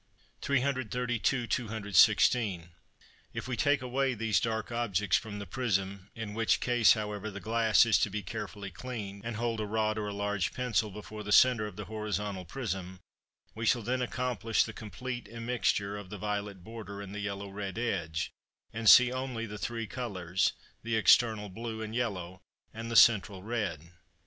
332 (216). If we take away these dark objects from the prism, in which case, however, the glass is to be carefully cleaned, and hold a rod or a large pencil before the centre of the horizontal prism, we shall then accomplish the complete immixture of the violet border and the yellow red edge, and see only the three colours, the external blue, and yellow, and the central red.